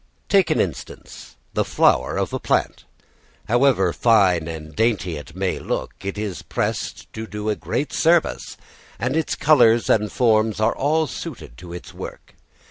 Take an instance the flower of a plant. However fine and dainty it may look, it is pressed to do a great service, and its colours and forms are all suited to its work.